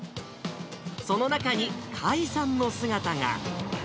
その中に甲斐さんの姿が。